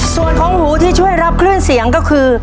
ส่วนของหูที่ช่วยรับคลื่นเสียงก็คือ